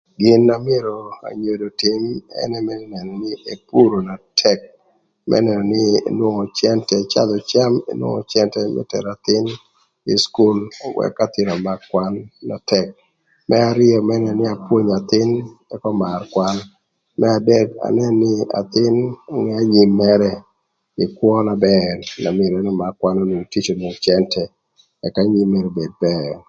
Gin na myero anyodo ötïm ënë nï myero nënö nï epuro na tëk, më nënö nï ëcadhö cam kï cëntë më tero athïn ï cukul ëk athïn ömak kwan. Më arïö myero anën nï apwonyo athïn ëk ömar kwan, ëka myero anën athïn önge anyim mërë pï kwö na bër më makö kwan ëk onwong cëntë ëk anyim mërë obed bër.